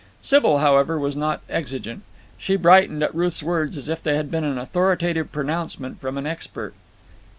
Sybil, however, was not exigent. She brightened at Ruth's words as if they had been an authoritative pronouncement from an expert.